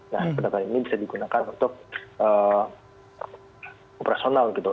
nah kereta ini bisa digunakan untuk operasional gitu